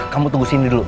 kamu tunggu sini dulu